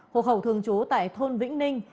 hộ khẩu thường trú tại thôn vĩnh ninh